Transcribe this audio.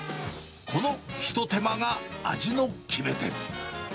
この一手間が味の決め手。